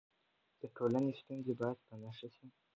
د ټولنې ستونزې باید په نښه سي.